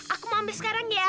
aku mau ambil sekarang ya